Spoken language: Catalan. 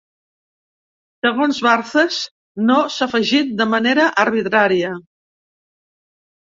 Segons Barthes, "no" s'ha afegit de manera arbitrària.